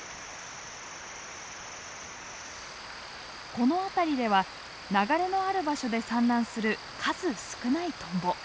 この辺りでは流れのある場所で産卵する数少ないトンボ。